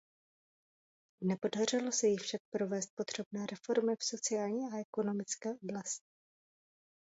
Nepodařilo se jí však provést potřebné reformy v sociální a ekonomické oblasti.